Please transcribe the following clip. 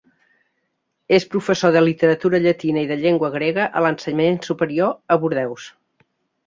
És professor de literatura llatina i de llengua grega a l’ensenyament superior, a Bordeus.